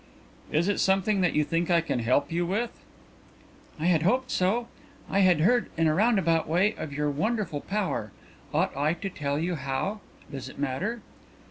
"Is it something that you think I can help you with?" "I had hoped so. I had heard in a roundabout way of your wonderful power ought I to tell you how does it matter?"